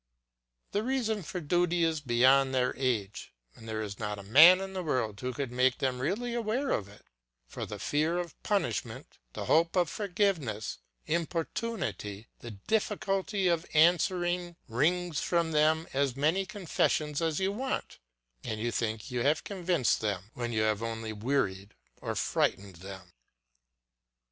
The reason for duty is beyond their age, and there is not a man in the world who could make them really aware of it; but the fear of punishment, the hope of forgiveness, importunity, the difficulty of answering, wrings from them as many confessions as you want; and you think you have convinced them when you have only wearied or frightened them.